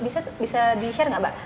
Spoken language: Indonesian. ya kok bisa di share nggak mbak